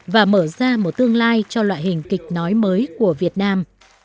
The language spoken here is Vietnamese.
và mở ra một tương lai cho loại hình kịch nói mới của việt nam